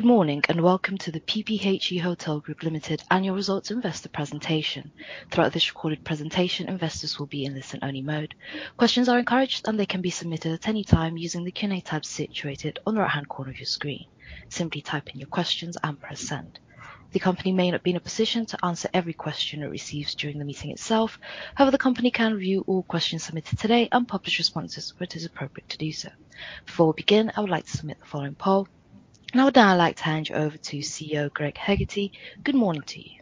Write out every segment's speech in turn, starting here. Good morning and welcome to the PPHE Hotel Group Limited Annual Results Investor presentation. Throughout this recorded presentation, investors will be in listen-only mode. Questions are encouraged, and they can be submitted at any time using the Q&A tab situated on the right-hand corner of your screen. Simply type in your questions and press send. The company may not be in a position to answer every question it receives during the meeting itself; however, the company can review all questions submitted today and publish responses where it is appropriate to do so. Before we begin, I would like to submit the following poll, and I would now like to hand you over to CEO Greg Hegarty. Good morning to you.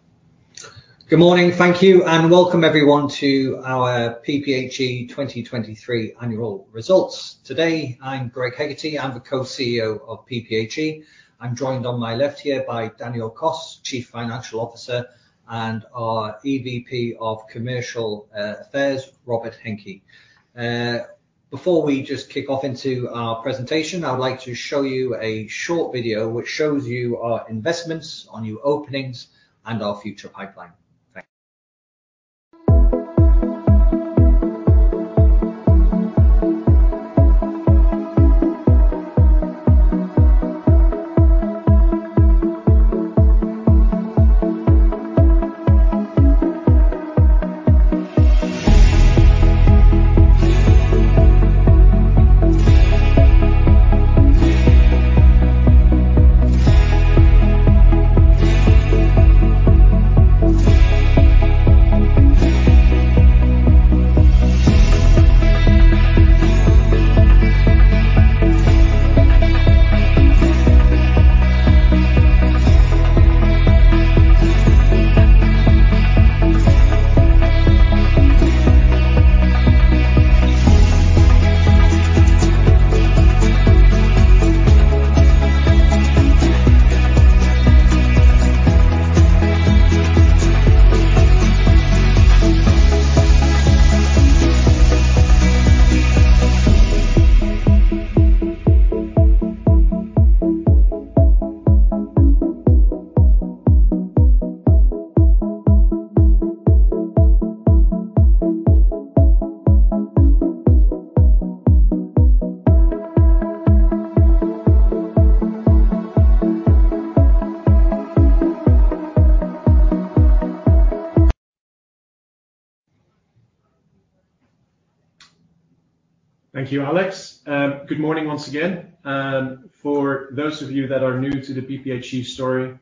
Good morning. Thank you, and welcome everyone to our PPHE 2023 Annual Results. Today, I'm Greg Hegarty. I'm the co-CEO of PPHE. I'm joined on my left here by Daniel Kos, Chief Financial Officer, and our EVP of Commercial Affairs, Robert Henke. Before we just kick off into our presentation, I would like to show you a short video which shows you our investments on new openings and our future pipeline. Thanks. Thank you, Alex. Good morning once again. For those of you that are new to the PPHE story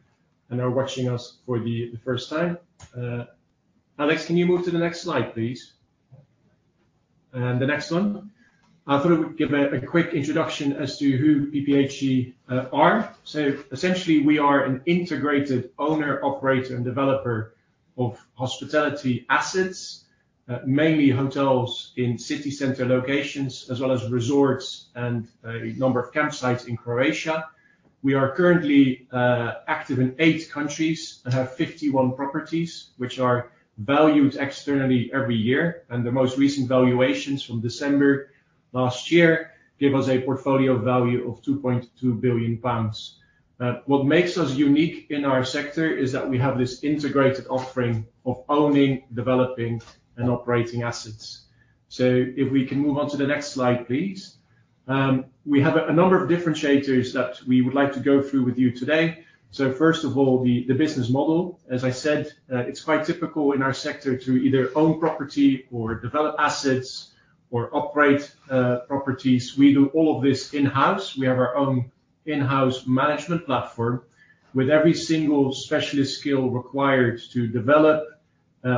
and are watching us for the first time, Alex, can you move to the next slide, please? The next one. I thought I would give a quick introduction as to who PPHE are. Essentially, we are an integrated owner, operator, and developer of hospitality assets, mainly hotels in city center locations as well as resorts and a number of campsites in Croatia. We are currently active in eight countries and have 51 properties which are valued externally every year. The most recent valuations from December last year give us a portfolio value of 2.2 billion pounds. What makes us unique in our sector is that we have this integrated offering of owning, developing, and operating assets. If we can move on to the next slide, please. We have a number of differentiators that we would like to go through with you today. First of all, the business model. As I said, it's quite typical in our sector to either own property or develop assets or operate properties. We do all of this in-house. We have our own in-house management platform with every single specialist skill required to develop,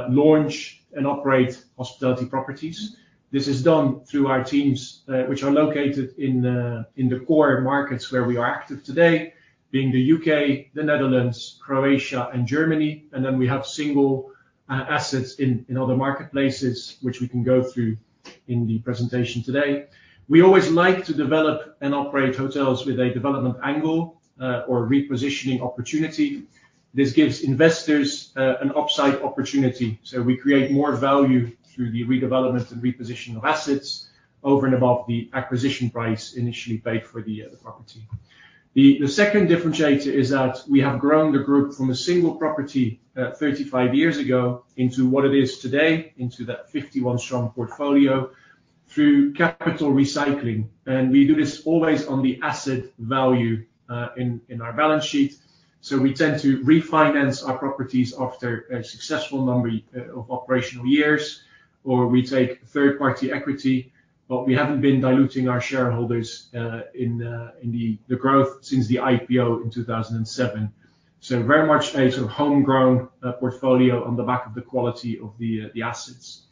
launch, and operate hospitality properties. This is done through our teams which are located in the core markets where we are active today, being the U.K., the Netherlands, Croatia, and Germany. Then we have single assets in other marketplaces which we can go through in the presentation today. We always like to develop and operate hotels with a development angle or repositioning opportunity. This gives investors an upside opportunity. So we create more value through the redevelopment and repositioning of assets over and above the acquisition price initially paid for the property. The second differentiator is that we have grown the group from a single property 35 years ago into what it is today, into that 51-strong portfolio through capital recycling. We do this always on the asset value in our balance sheet. We tend to refinance our properties after a successful number of operational years, or we take third-party equity. But we haven't been diluting our shareholders in the growth since the IPO in 2007. Very much a sort of homegrown portfolio on the back of the quality of the assets.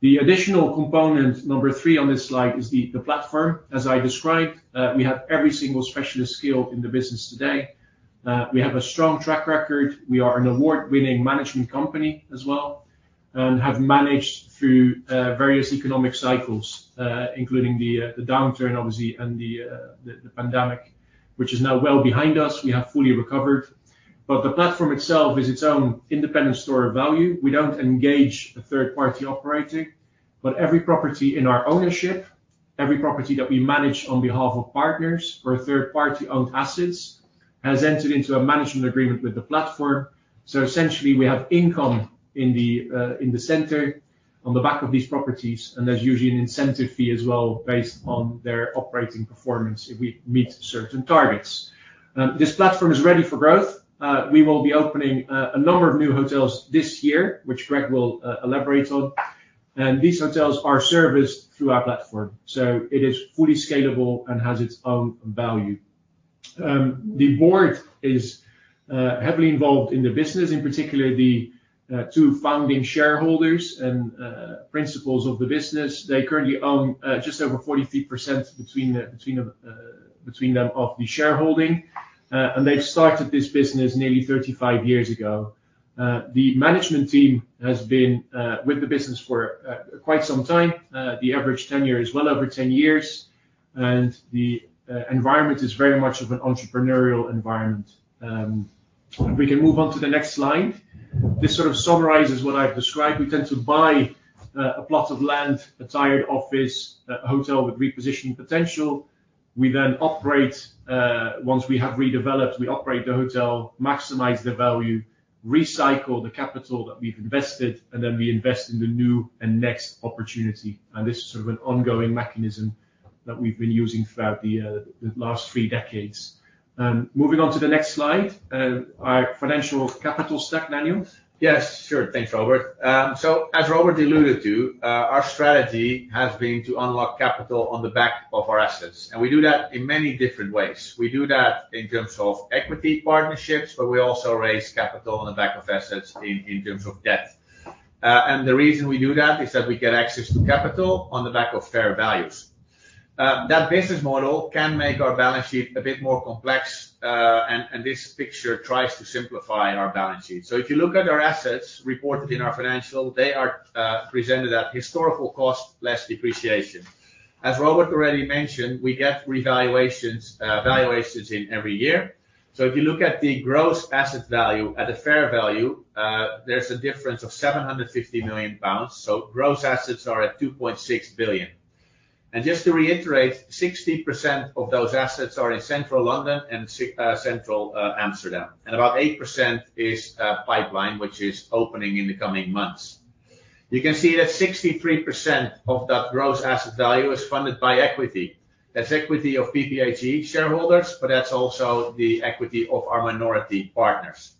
The additional component, number 3 on this slide, is the platform. As I described, we have every single specialist skill in the business today. We have a strong track record. We are an award-winning management company as well and have managed through various economic cycles, including the downturn, obviously, and the pandemic, which is now well behind us. We have fully recovered. But the platform itself is its own independent store of value. We don't engage a third-party operator. But every property in our ownership, every property that we manage on behalf of partners or third-party-owned assets, has entered into a management agreement with the platform. So essentially, we have income in the centre on the back of these properties. And there's usually an incentive fee as well based on their operating performance if we meet certain targets. This platform is ready for growth. We will be opening a number of new hotels this year, which Greg will elaborate on. And these hotels are serviced through our platform. So it is fully scalable and has its own value. The board is heavily involved in the business, in particular the two founding shareholders and principals of the business. They currently own just over 43% between them of the shareholding. They've started this business nearly 35 years ago. The management team has been with the business for quite some time, the average tenure is well over 10 years. The environment is very much of an entrepreneurial environment. If we can move on to the next slide, this sort of summarizes what I've described. We tend to buy a plot of land, a tired office, a hotel with repositioning potential. We then operate. Once we have redeveloped, we operate the hotel, maximize the value, recycle the capital that we've invested, and then we invest in the new and next opportunity. This is sort of an ongoing mechanism that we've been using throughout the last three decades. Moving on to the next slide, our financial capital stack, Daniel? Yes. Sure. Thanks, Robert. So as Robert alluded to, our strategy has been to unlock capital on the back of our assets. And we do that in many different ways. We do that in terms of equity partnerships, but we also raise capital on the back of assets in terms of debt. And the reason we do that is that we get access to capital on the back of fair values. That business model can make our balance sheet a bit more complex. And this picture tries to simplify our balance sheet. So if you look at our assets reported in our financial, they are presented at historical cost less depreciation. As Robert already mentioned, we get revaluations in every year. So if you look at the gross asset value at a fair value, there's a difference of 750 million pounds. So gross assets are at 2.6 billion. Just to reiterate, 60% of those assets are in central London and central Amsterdam. About 8% is pipeline, which is opening in the coming months. You can see that 63% of that gross asset value is funded by equity. That's equity of PPHE shareholders, but that's also the equity of our minority partners.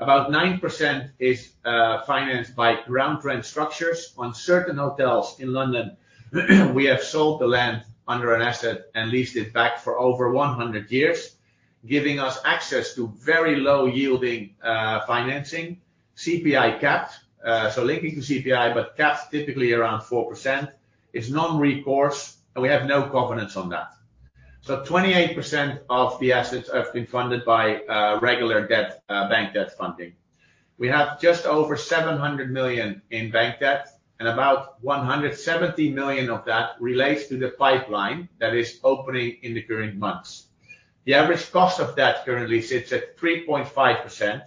About 9% is financed by ground rent structures. On certain hotels in London, we have sold the land under an asset and leased it back for over 100 years, giving us access to very low-yielding financing, CPI capped, so linking to CPI but capped typically around 4%. It's non-recourse, and we have no covenants on that. 28% of the assets have been funded by regular bank debt funding. We have just over 700 million in bank debt, and about 170 million of that relates to the pipeline that is opening in the current months. The average cost of that currently sits at 3.5%.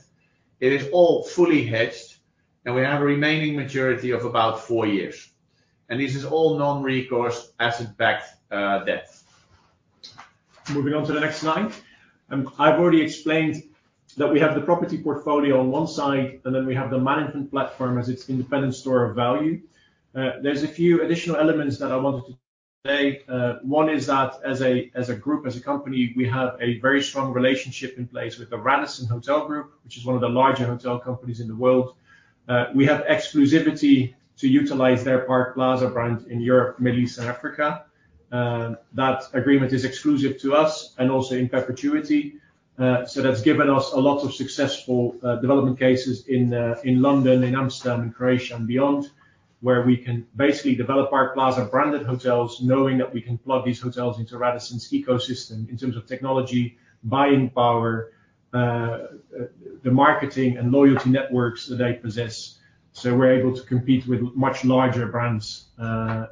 It is all fully hedged, and we have a remaining maturity of about 4 years. This is all non-recourse asset-backed debt. Moving on to the next slide. I've already explained that we have the property portfolio on one side, and then we have the management platform as its independent store of value. There's a few additional elements that I wanted to say. One is that as a group, as a company, we have a very strong relationship in place with the Radisson Hotel Group, which is one of the larger hotel companies in the world. We have exclusivity to utilize their Park Plaza brand in Europe, Middle East, and Africa. That agreement is exclusive to us and also in perpetuity. So that's given us a lot of successful development cases in London, in Amsterdam, in Croatia, and beyond, where we can basically develop Park Plaza-branded hotels knowing that we can plug these hotels into Radisson's ecosystem in terms of technology, buying power, the marketing, and loyalty networks that they possess. So we're able to compete with much larger brands.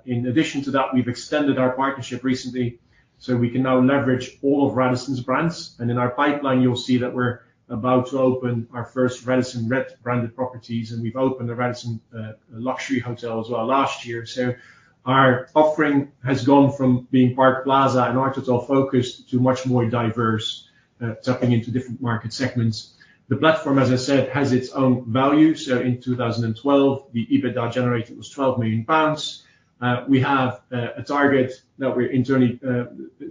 In addition to that, we've extended our partnership recently so we can now leverage all of Radisson's brands. And in our pipeline, you'll see that we're about to open our first Radisson RED-branded properties. And we've opened a Radisson Luxury Hotel as well last year. So our offering has gone from being Park Plaza and art'otel focused to much more diverse, tapping into different market segments. The platform, as I said, has its own value. So in 2012, the EBITDA generated was 12 million pounds. We have a target that we're internally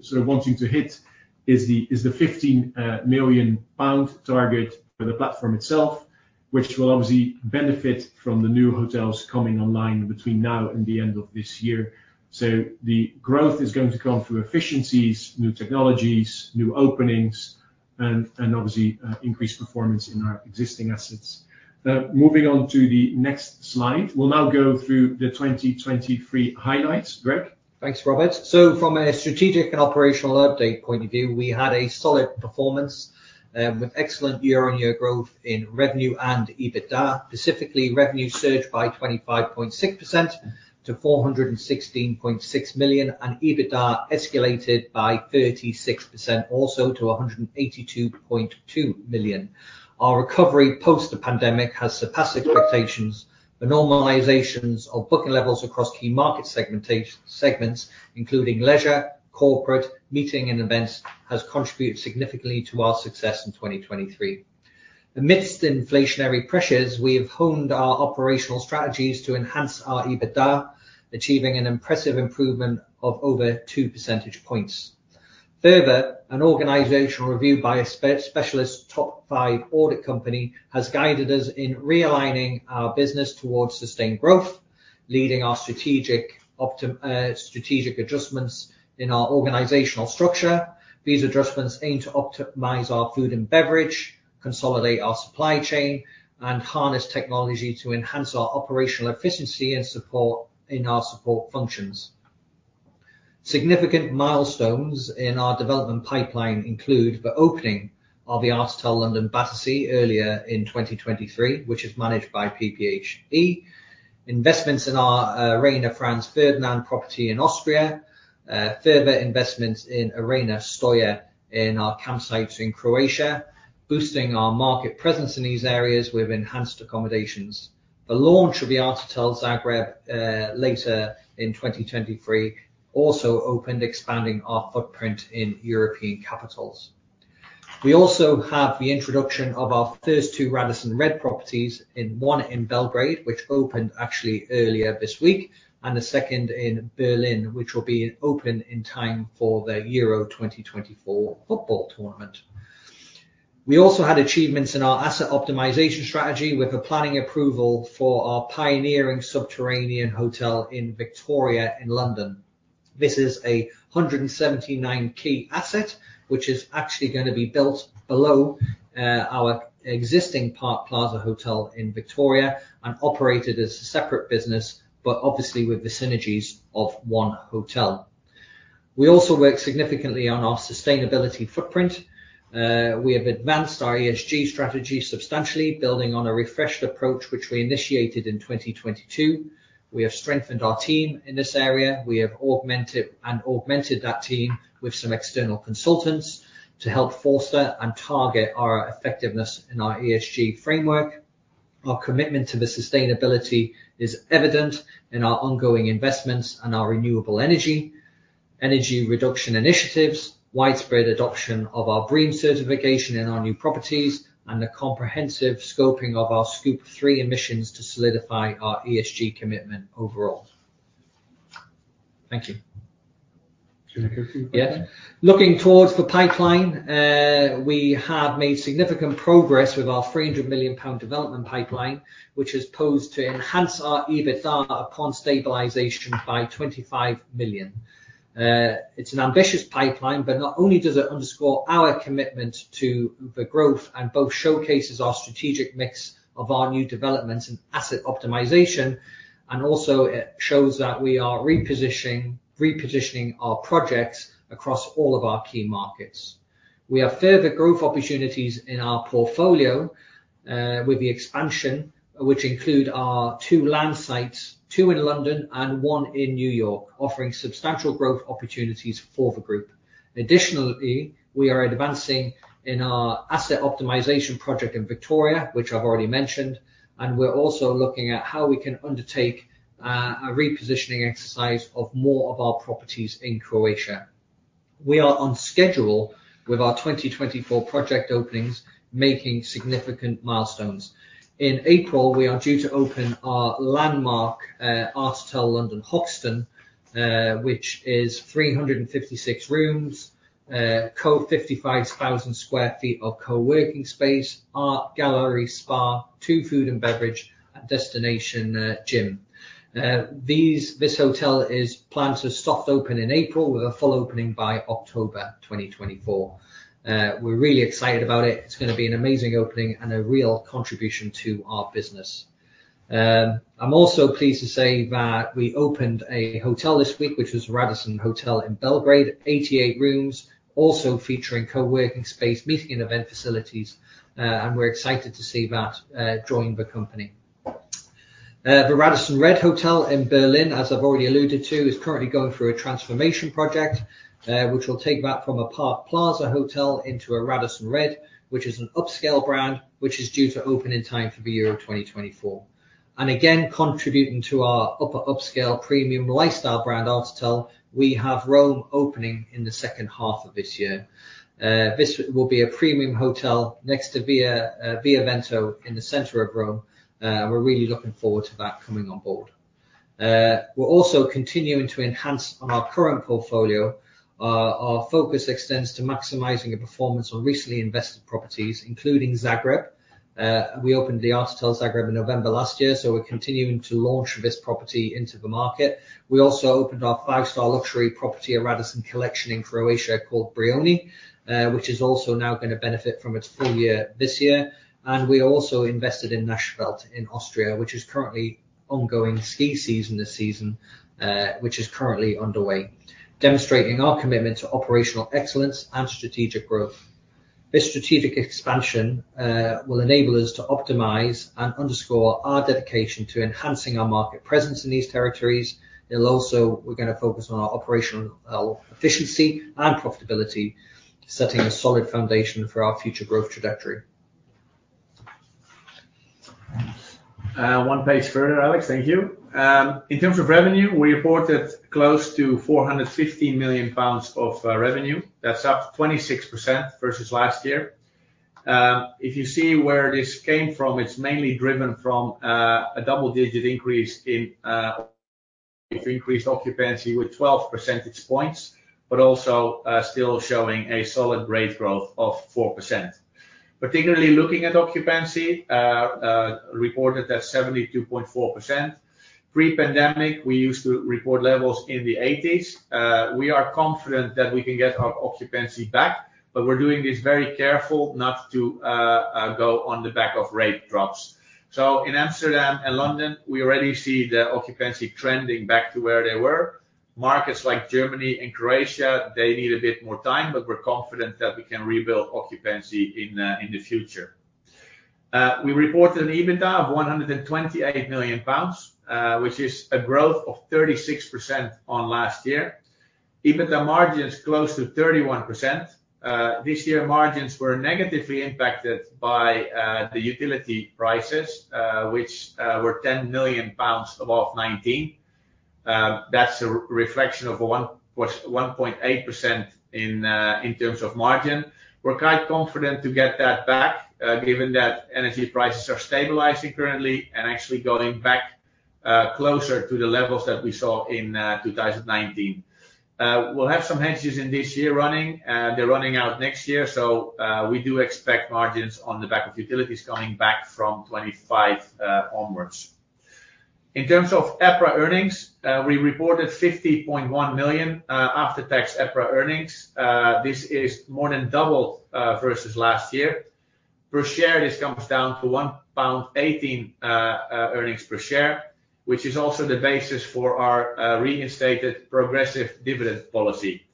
sort of wanting to hit is the 15 million pound target for the platform itself, which will obviously benefit from the new hotels coming online between now and the end of this year. The growth is going to come through efficiencies, new technologies, new openings, and obviously increased performance in our existing assets. Moving on to the next slide, we'll now go through the 2023 highlights, Greg. Thanks, Robert. So from a strategic and operational update point of view, we had a solid performance with excellent year-over-year growth in revenue and EBITDA, specifically revenue surged by 25.6% to 416.6 million, and EBITDA escalated by 36% also to 182.2 million. Our recovery post the pandemic has surpassed expectations. The normalizations of booking levels across key market segments, including leisure, corporate, meeting, and events, have contributed significantly to our success in 2023. Amidst inflationary pressures, we have honed our operational strategies to enhance our EBITDA, achieving an impressive improvement of over 2 percentage points. Further, an organizational review by a specialist top-five audit company has guided us in realigning our business towards sustained growth, leading our strategic adjustments in our organizational structure. These adjustments aim to optimize our food and beverage, consolidate our supply chain, and harness technology to enhance our operational efficiency and support in our support functions. Significant milestones in our development pipeline include the opening of the art'otel London Battersea earlier in 2023, which is managed by PPHE, investments in our Arena Franz Ferdinand property in Austria, further investments in Arena Stoja in our campsites in Croatia, boosting our market presence in these areas with enhanced accommodations. The launch of the art'otel Zagreb later in 2023 also opened, expanding our footprint in European capitals. We also have the introduction of our first two Radisson RED properties, one in Belgrade, which opened actually earlier this week, and the second in Berlin, which will be open in time for the Euro 2024 football tournament. We also had achievements in our asset optimisation strategy with a planning approval for our pioneering subterranean hotel in Victoria in London. This is a 179-key asset, which is actually going to be built below our existing Park Plaza hotel in Victoria and operated as a separate business, but obviously with the synergies of one hotel. We also work significantly on our sustainability footprint. We have advanced our ESG strategy substantially, building on a refreshed approach which we initiated in 2022. We have strengthened our team in this area. We have augmented that team with some external consultants to help foster and target our effectiveness in our ESG framework. Our commitment to the sustainability is evident in our ongoing investments and our renewable energy, energy reduction initiatives, widespread adoption of our BREEAM certification in our new properties, and the comprehensive scoping of our Scope 3 emissions to solidify our ESG commitment overall. Thank you. Can I go through that? Yes. Looking towards the pipeline, we have made significant progress with our 300 million pound development pipeline, which is poised to enhance our EBITDA upon stabilization by 25 million. It's an ambitious pipeline, but not only does it underscore our commitment to the growth and both showcases our strategic mix of our new developments and asset optimization, and also it shows that we are repositioning our projects across all of our key markets. We have further growth opportunities in our portfolio with the expansion, which include our two land sites, two in London and one in New York, offering substantial growth opportunities for the group. Additionally, we are advancing in our asset optimization project in Victoria, which I've already mentioned. We're also looking at how we can undertake a repositioning exercise of more of our properties in Croatia. We are on schedule with our 2024 project openings, making significant milestones. In April, we are due to open our landmark art'otel London Hoxton, which is 356 rooms, 55,000 sq ft of co-working space, art gallery, spa, 2 food and beverage, and destination gym. This hotel is planned to soft open in April with a full opening by October 2024. We're really excited about it. It's going to be an amazing opening and a real contribution to our business. I'm also pleased to say that we opened a hotel this week, which was Radisson RED hotel in Belgrade, 88 rooms, also featuring co-working space, meeting, and event facilities. We're excited to see that join the company. The Radisson RED hotel in Berlin, as I've already alluded to, is currently going through a transformation project, which will take that from a Park Plaza hotel into a Radisson RED, which is an upscale brand, which is due to open in time for the Euro 2024. Again, contributing to our upper upscale premium lifestyle brand, art'otel, we have Rome opening in the second half of this year. This will be a premium hotel next to Via Veneto in the center of Rome. We're really looking forward to that coming on board. We're also continuing to enhance on our current portfolio. Our focus extends to maximizing the performance on recently invested properties, including Zagreb. We opened the art'otel Zagreb in November last year, so we're continuing to launch this property into the market. We also opened our five-star luxury property at Radisson Collection in Croatia called Brioni, which is also now going to benefit from its full year this year. We also invested in Nassfeld in Austria, which is currently ongoing ski season this season, which is currently underway, demonstrating our commitment to operational excellence and strategic growth. This strategic expansion will enable us to optimize and underscore our dedication to enhancing our market presence in these territories. We're going to focus on our operational efficiency and profitability, setting a solid foundation for our future growth trajectory. One page further, Alex. Thank you. In terms of revenue, we reported close to 415 million pounds of revenue. That's up 26% versus last year. If you see where this came from, it's mainly driven from a double-digit increase in increased occupancy with 12 percentage points, but also still showing a solid rate growth of 4%. Particularly looking at occupancy, reported at 72.4%. Pre-pandemic, we used to report levels in the 80s. We are confident that we can get our occupancy back, but we're doing this very careful not to go on the back of rate drops. So in Amsterdam and London, we already see the occupancy trending back to where they were. Markets like Germany and Croatia, they need a bit more time, but we're confident that we can rebuild occupancy in the future. We reported an EBITDA of 128 million pounds, which is a growth of 36% on last year. EBITDA margins close to 31%. This year, margins were negatively impacted by the utility prices, which were 10 million pounds above 2019. That's a reflection of 1.8% in terms of margin. We're quite confident to get that back given that energy prices are stabilizing currently and actually going back closer to the levels that we saw in 2019. We'll have some hedges in this year running. They're running out next year. So we do expect margins on the back of utilities coming back from 2025 onwards. In terms of EPRA earnings, we reported 50.1 million after-tax EPRA earnings. This is more than doubled versus last year. Per share, this comes down to 1.18 pound earnings per share, which is also the basis for our reinstated progressive dividend policy.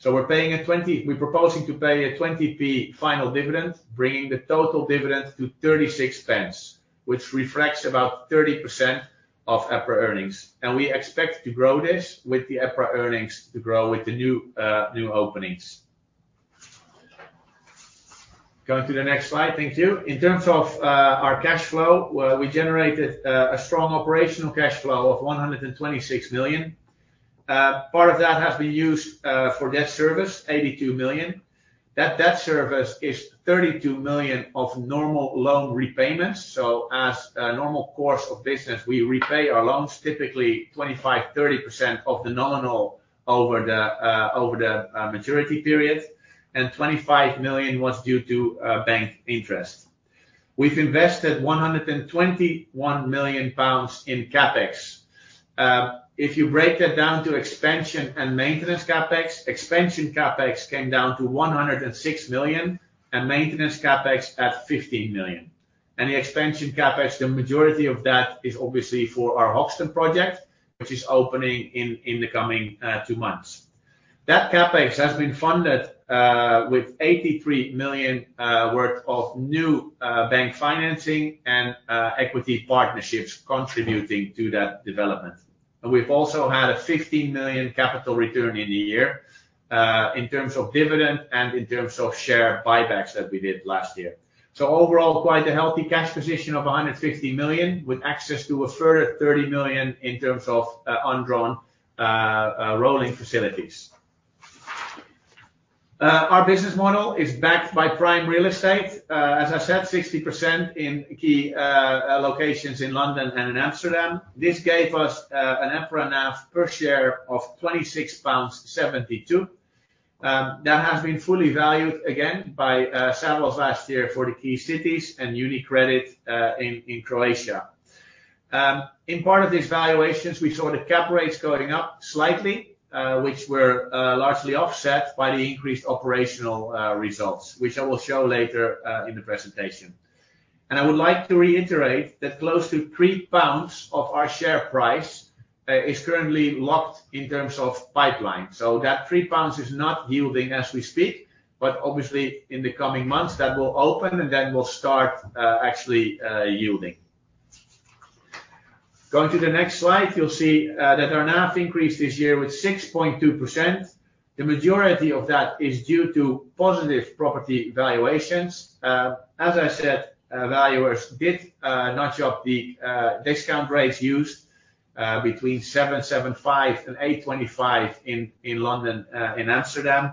So we're proposing to pay a 0.20 final dividend, bringing the total dividend to 0.36, which reflects about 30% of EPRA earnings. We expect to grow this with the EPRA earnings to grow with the new openings. Going to the next slide. Thank you. In terms of our cash flow, we generated a strong operational cash flow of 126 million. Part of that has been used for debt service, 82 million. That debt service is 32 million of normal loan repayments. As a normal course of business, we repay our loans, typically 25%-30% of the nominal over the maturity period. 25 million was due to bank interest. We've invested 121 million pounds in CapEx. If you break that down to expansion and maintenance CapEx, expansion CapEx came down to 106 million and maintenance CapEx at 15 million. The expansion CapEx, the majority of that is obviously for our Hoxton project, which is opening in the coming two months. That CapEx has been funded with 83 million worth of new bank financing and equity partnerships contributing to that development. We've also had a 15 million capital return in the year in terms of dividend and in terms of share buybacks that we did last year. Overall, quite a healthy cash position of 150 million with access to a further 30 million in terms of undrawn rolling facilities. Our business model is backed by prime real estate. As I said, 60% in key locations in London and in Amsterdam. This gave us an EPRA NAV per share of 26.72 pounds. That has been fully valued, again, by Savills last year for the key cities and UniCredit in Croatia. In part of these valuations, we saw the cap rates going up slightly, which were largely offset by the increased operational results, which I will show later in the presentation. I would like to reiterate that close to 3 pounds of our share price is currently locked in terms of pipeline. So that 3 pounds is not yielding as we speak, but obviously, in the coming months, that will open and then will start actually yielding. Going to the next slide, you'll see that our NAV increased this year with 6.2%. The majority of that is due to positive property valuations. As I said, valuers did not jump the discount rates used between 775-825 in London and Amsterdam.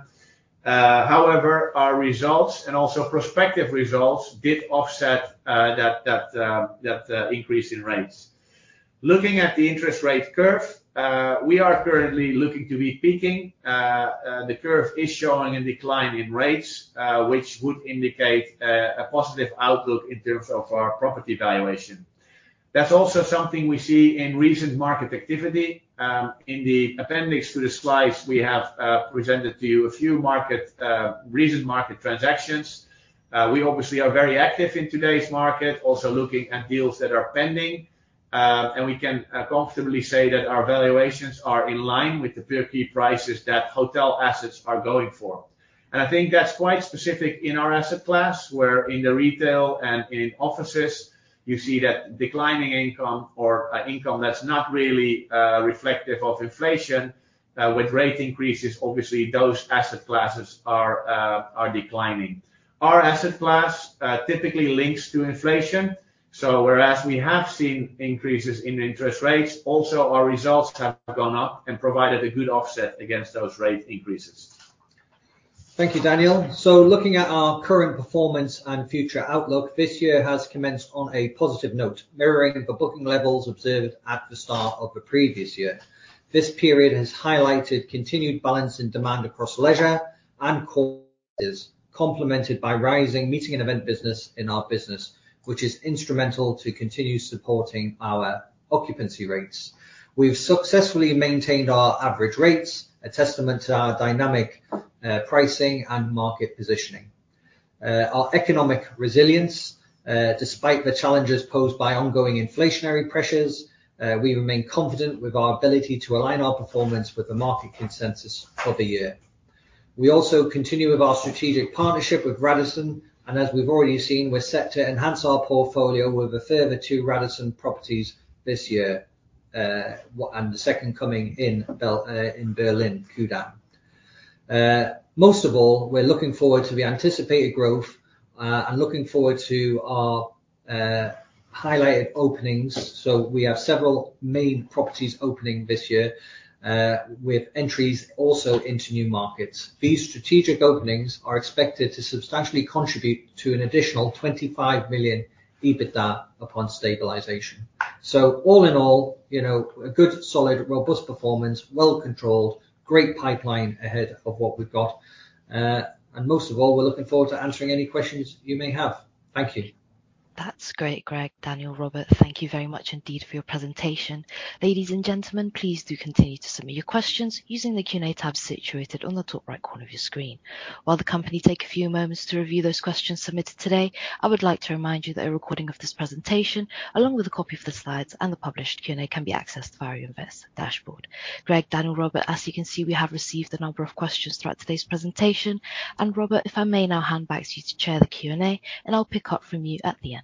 However, our results and also prospective results did offset that increase in rates. Looking at the interest rate curve, we are currently looking to be peaking. The curve is showing a decline in rates, which would indicate a positive outlook in terms of our property valuation. That's also something we see in recent market activity. In the appendix to the slides we have presented to you a few recent market transactions. We obviously are very active in today's market, also looking at deals that are pending. We can comfortably say that our valuations are in line with the peer-key prices that hotel assets are going for. I think that's quite specific in our asset class, where in the retail and in offices, you see that declining income or income that's not really reflective of inflation with rate increases, obviously, those asset classes are declining. Our asset class typically links to inflation. Whereas we have seen increases in interest rates, also, our results have gone up and provided a good offset against those rate increases. Thank you, Daniel. Looking at our current performance and future outlook, this year has commenced on a positive note, mirroring the booking levels observed at the start of the previous year. This period has highlighted continued balance in demand across leisure and corporate, complemented by rising meeting and event business in our business, which is instrumental to continue supporting our occupancy rates. We've successfully maintained our average rates, a testament to our dynamic pricing and market positioning. Our economic resilience, despite the challenges posed by ongoing inflationary pressures, we remain confident with our ability to align our performance with the market consensus for the year. We also continue with our strategic partnership with Radisson. As we've already seen, we're set to enhance our portfolio with a further two Radisson properties this year and the second coming in Berlin, Kudamm. Most of all, we're looking forward to the anticipated growth and looking forward to our highlighted openings. So we have several main properties opening this year with entries also into new markets. These strategic openings are expected to substantially contribute to an additional 25 million EBITDA upon stabilisation. So all in all, a good, solid, robust performance, well-controlled, great pipeline ahead of what we've got. And most of all, we're looking forward to answering any questions you may have. Thank you. That's great, Greg, Daniel, Robert. Thank you very much indeed for your presentation. Ladies and gentlemen, please do continue to submit your questions using the Q&A tab situated on the top right corner of your screen. While the company take a few moments to review those questions submitted today, I would like to remind you that a recording of this presentation, along with a copy of the slides and the published Q&A, can be accessed via your investor dashboard. Greg, Daniel, Robert, as you can see, we have received a number of questions throughout today's presentation. Robert, if I may now hand back to you to chair the Q&A, and I'll pick up from you at the end.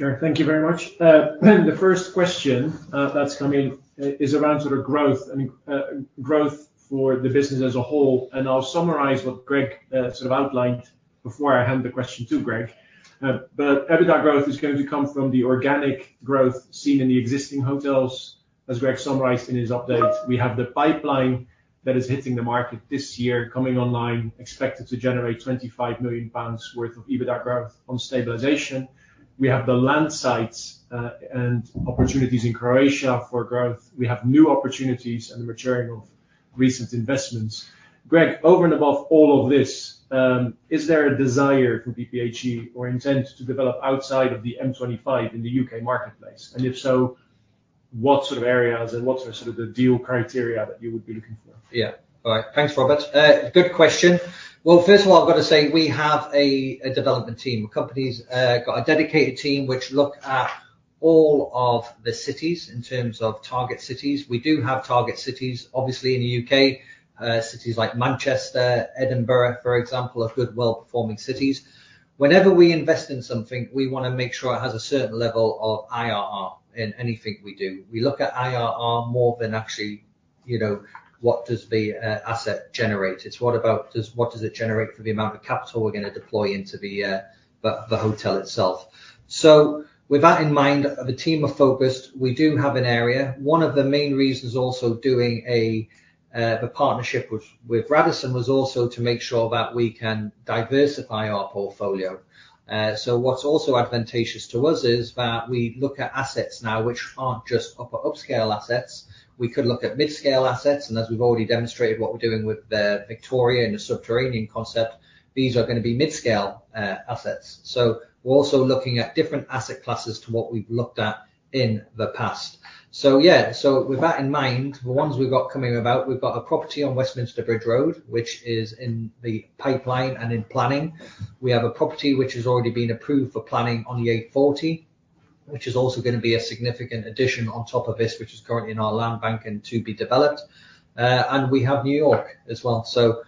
Sure. Thank you very much. The first question that's coming is around sort of growth for the business as a whole. I'll summarize what Greg sort of outlined before I hand the question to Greg. EBITDA growth is going to come from the organic growth seen in the existing hotels, as Greg summarized in his update. We have the pipeline that is hitting the market this year, coming online, expected to generate 25 million pounds worth of EBITDA growth on stabilization. We have the land sites and opportunities in Croatia for growth. We have new opportunities and the maturing of recent investments. Greg, over and above all of this, is there a desire for PPHE or intent to develop outside of the M25 in the U.K. marketplace? And if so, what sort of areas and what are sort of the deal criteria that you would be looking for? Yeah. All right. Thanks, Robert. Good question. Well, first of all, I've got to say we have a development team. The company's got a dedicated team which look at all of the cities in terms of target cities. We do have target cities, obviously, in the U.K.. Cities like Manchester, Edinburgh, for example, are good, well-performing cities. Whenever we invest in something, we want to make sure it has a certain level of IRR in anything we do. We look at IRR more than actually what does the asset generate. It's what does it generate for the amount of capital we're going to deploy into the hotel itself. So with that in mind, the team are focused. We do have an area. One of the main reasons also doing the partnership with Radisson was also to make sure that we can diversify our portfolio. So what's also advantageous to us is that we look at assets now which aren't just upscale assets. We could look at midscale assets. And as we've already demonstrated what we're doing with Victoria and the subterranean concept, these are going to be midscale assets. So we're also looking at different asset classes to what we've looked at in the past. So yeah, so with that in mind, the ones we've got coming about, we've got a property on Westminster Bridge Road, which is in the pipeline and in planning. We have a property which has already been approved for planning on the A40, which is also going to be a significant addition on top of this, which is currently in our land banking to be developed. And we have New York as well. So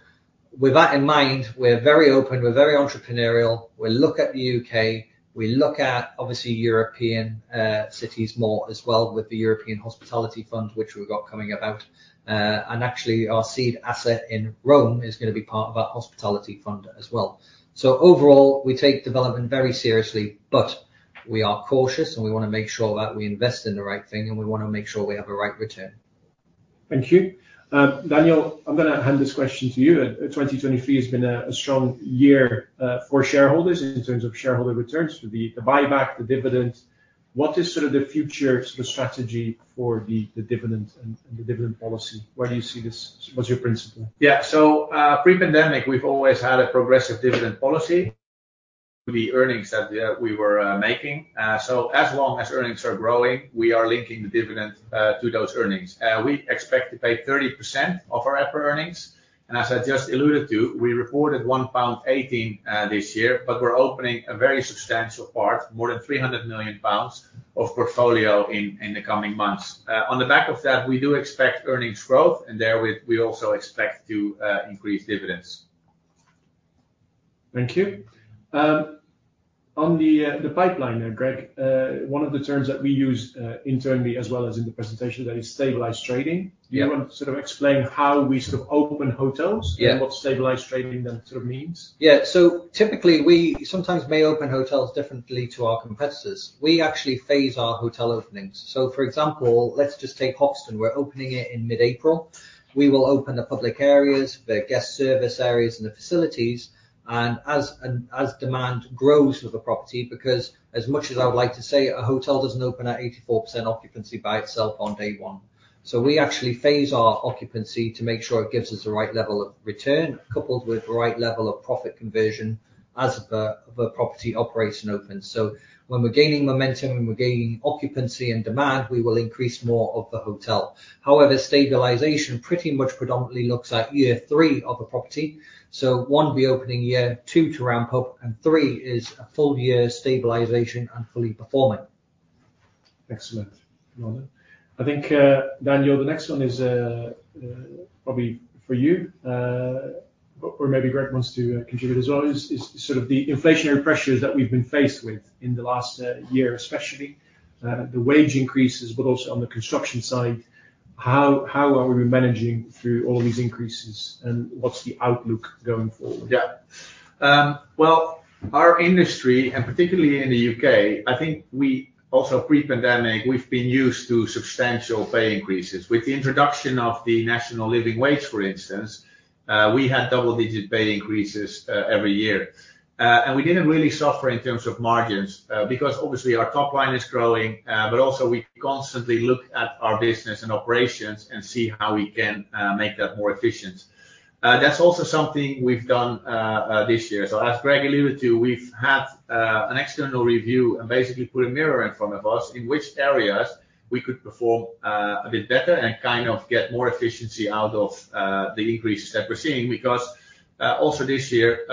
with that in mind, we're very open. We're very entrepreneurial. We look at the U.K. We look at, obviously, European cities more as well with the European Hospitality Fund, which we've got coming about. And actually, our seed asset in Rome is going to be part of our hospitality fund as well. So overall, we take development very seriously, but we are cautious, and we want to make sure that we invest in the right thing, and we want to make sure we have the right return. Thank you. Daniel, I'm going to hand this question to you. 2023 has been a strong year for shareholders in terms of shareholder returns, the buyback, the dividend. What is sort of the future strategy for the dividend and the dividend policy? Where do you see this? What's your principle? Yeah. So pre-pandemic, we've always had a progressive dividend policy with the earnings that we were making. So as long as earnings are growing, we are linking the dividend to those earnings. We expect to pay 30% of our EPRA earnings. And as I just alluded to, we reported 1.18 pound this year, but we're opening a very substantial part, more than 300 million pounds of portfolio in the coming months. On the back of that, we do expect earnings growth, and there with, we also expect to increase dividends. Thank you. On the pipeline, Greg, one of the terms that we use internally as well as in the presentation, that is stabilized trading. Do you want to sort of explain how we sort of open hotels and what stabilized trading then sort of means? Yeah. So typically, we sometimes may open hotels differently to our competitors. We actually phase our hotel openings. So for example, let's just take Hoxton. We're opening it in mid-April. We will open the public areas, the guest service areas, and the facilities as demand grows for the property because as much as I would like to say, a hotel doesn't open at 84% occupancy by itself on day one. So we actually phase our occupancy to make sure it gives us the right level of return coupled with the right level of profit conversion as the property operates and opens. So when we're gaining momentum and we're gaining occupancy and demand, we will increase more of the hotel. However, stabilization pretty much predominantly looks at year three of a property. So one, the opening year; two, to ramp up; and three, is a full year stabilization and fully performing. Excellent. I think, Daniel, the next one is probably for you, or maybe Greg wants to contribute as well, is sort of the inflationary pressures that we've been faced with in the last year, especially the wage increases, but also on the construction side. How are we managing through all of these increases, and what's the outlook going forward? Yeah. Well, our industry, and particularly in the U.K., I think we also pre-pandemic, we've been used to substantial pay increases. With the introduction of the National Living Wage, for instance, we had double-digit pay increases every year. We didn't really suffer in terms of margins because obviously, our top line is growing, but also, we constantly look at our business and operations and see how we can make that more efficient. That's also something we've done this year. So as Greg alluded to, we've had an external review and basically put a mirror in front of us in which areas we could perform a bit better and kind of get more efficiency out of the increases that we're seeing because also this year,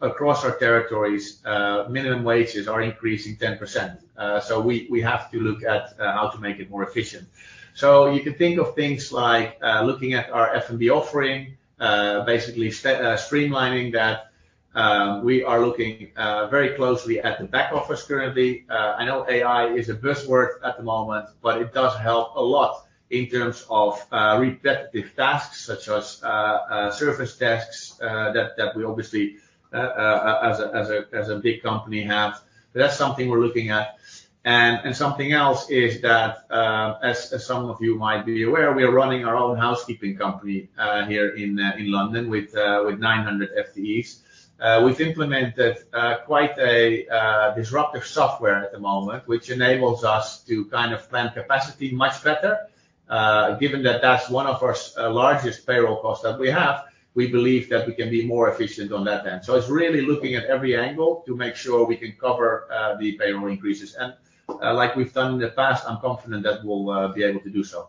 across our territories, minimum wages are increasing 10%. So we have to look at how to make it more efficient. So you can think of things like looking at our F&B offering, basically streamlining that. We are looking very closely at the back office currently. I know AI is a buzzword at the moment, but it does help a lot in terms of repetitive tasks such as service desks that we obviously, as a big company, have. That's something we're looking at. And something else is that, as some of you might be aware, we are running our own housekeeping company here in London with 900 FTEs. We've implemented quite a disruptive software at the moment, which enables us to kind of plan capacity much better. Given that that's one of our largest payroll costs that we have, we believe that we can be more efficient on that end. So it's really looking at every angle to make sure we can cover the payroll increases. Like we've done in the past, I'm confident that we'll be able to do so.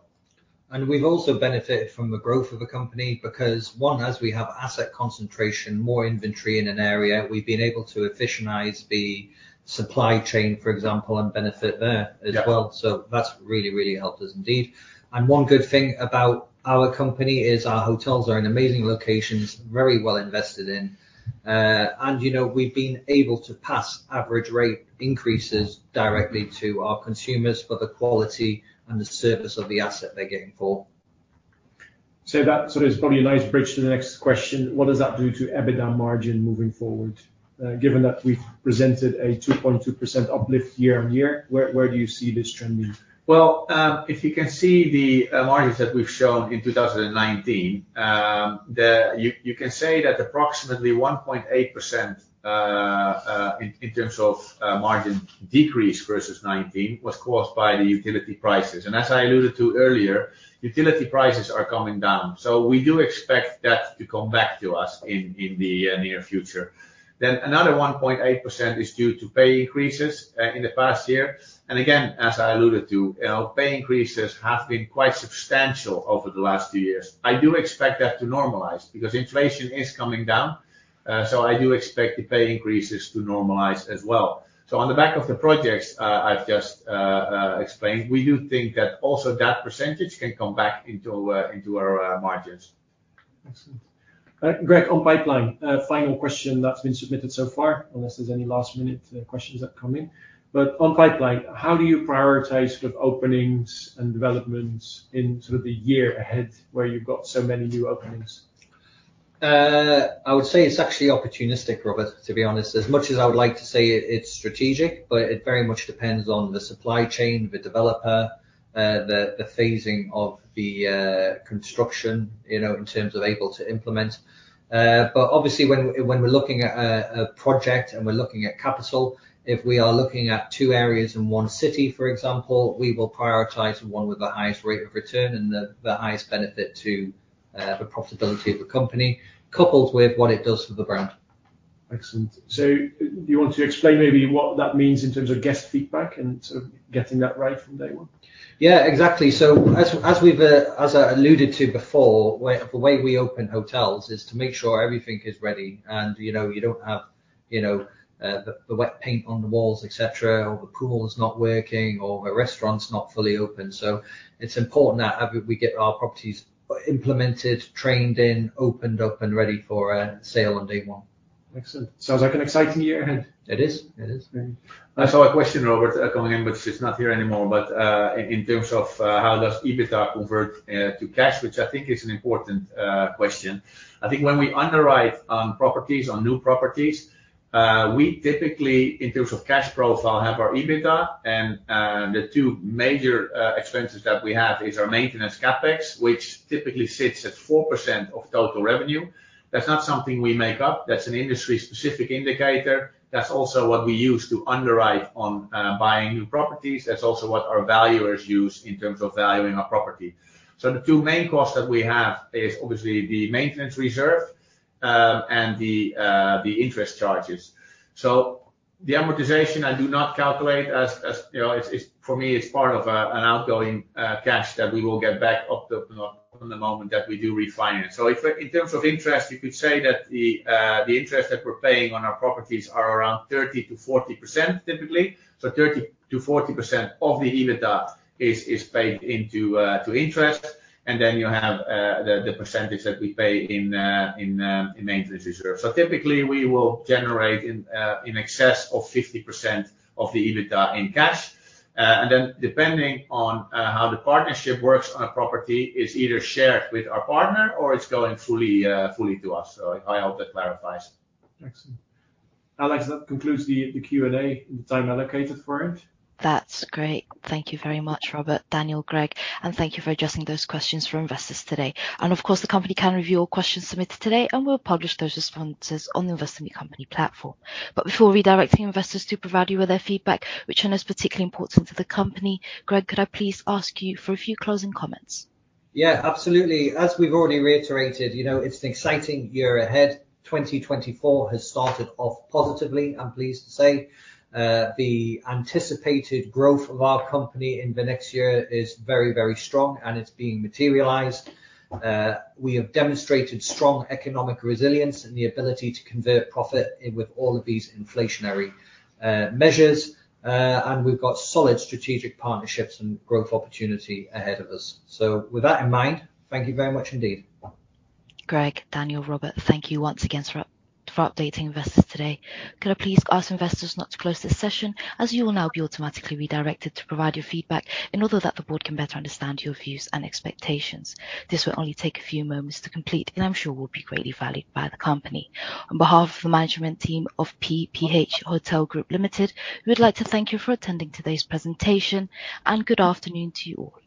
We've also benefited from the growth of the company because, one, as we have asset concentration, more inventory in an area, we've been able to efficientise the supply chain, for example, and benefit there as well. That's really, really helped us indeed. One good thing about our company is our hotels are in amazing locations, very well invested in. We've been able to pass average rate increases directly to our consumers for the quality and the service of the asset they're getting for. So that sort of is probably a nice bridge to the next question. What does that do to EBITDA margin moving forward? Given that we've presented a 2.2% uplift year-on-year, where do you see this trending? Well, if you can see the margins that we've shown in 2019, you can say that approximately 1.8% in terms of margin decrease versus 2019 was caused by the utility prices. And as I alluded to earlier, utility prices are coming down. So we do expect that to come back to us in the near future. Then another 1.8% is due to pay increases in the past year. And again, as I alluded to, pay increases have been quite substantial over the last two years. I do expect that to normalize because inflation is coming down. So I do expect the pay increases to normalize as well. So on the back of the projects I've just explained, we do think that also that percentage can come back into our margins. Excellent. Greg, on pipeline, final question that's been submitted so far, unless there's any last-minute questions that come in. But on pipeline, how do you prioritize sort of openings and developments in sort of the year ahead where you've got so many new openings? I would say it's actually opportunistic, Robert, to be honest. As much as I would like to say it's strategic, but it very much depends on the supply chain, the developer, the phasing of the construction in terms of able to implement. But obviously, when we're looking at a project and we're looking at capital, if we are looking at two areas in one city, for example, we will prioritize one with the highest rate of return and the highest benefit to the profitability of the company coupled with what it does for the brand. Excellent. So do you want to explain maybe what that means in terms of guest feedback and sort of getting that right from day one? Yeah, exactly. So as I alluded to before, the way we open hotels is to make sure everything is ready. And you don't have the wet paint on the walls, etc., or the pool is not working, or the restaurant's not fully open. So it's important that we get our properties implemented, trained in, opened up, and ready for sale on day one. Excellent. Sounds like an exciting year ahead. It is. It is. I saw a question, Robert, coming in, which is not here anymore, but in terms of how does EBITDA convert to cash, which I think is an important question. I think when we underwrite on properties, on new properties, we typically, in terms of cash profile, have our EBITDA. And the two major expenses that we have are our maintenance CapEx, which typically sits at 4% of total revenue. That's not something we make up. That's an industry-specific indicator. That's also what we use to underwrite on buying new properties. That's also what our valuers use in terms of valuing our property. So the two main costs that we have is obviously the maintenance reserve and the interest charges. So the amortization, I do not calculate as for me, it's part of an outgoing cash that we will get back up the moment that we do refinance. In terms of interest, you could say that the interest that we're paying on our properties are around 30%-40%, typically. 30%-40% of the EBITDA is paid into interest. Then you have the percentage that we pay in maintenance reserve. Typically, we will generate in excess of 50% of the EBITDA in cash. Then depending on how the partnership works on a property, it's either shared with our partner or it's going fully to us. I hope that clarifies. Excellent. Alex, that concludes the Q&A and the time allocated for it. That's great. Thank you very much, Robert, Daniel, Greg, and thank you for addressing those questions for investors today. Of course, the company can review all questions submitted today, and we'll publish those responses on the Invest in Me Company platform. Before redirecting investors to provide you with their feedback, which I know is particularly important to the company, Greg, could I please ask you for a few closing comments? Yeah, absolutely. As we've already reiterated, it's an exciting year ahead. 2024 has started off positively, I'm pleased to say. The anticipated growth of our company in the next year is very, very strong, and it's being materialized. We have demonstrated strong economic resilience and the ability to convert profit with all of these inflationary measures. We've got solid strategic partnerships and growth opportunity ahead of us. With that in mind, thank you very much indeed. Greg, Daniel, Robert, thank you once again for updating investors today. Could I please ask investors not to close this session as you will now be automatically redirected to provide your feedback in order that the board can better understand your views and expectations? This will only take a few moments to complete, and I'm sure will be greatly valued by the company. On behalf of the management team of PPHE Hotel Group Limited, we would like to thank you for attending today's presentation, and good afternoon to you all.